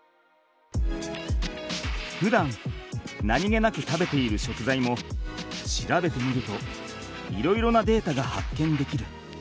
ふだん何気なく食べている食材も調べてみるといろいろなデータが発見できる。